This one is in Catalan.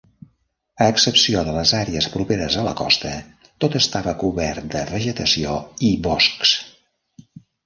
A excepció de les àrees properes a la costa, tot estava cobert de vegetació i boscs.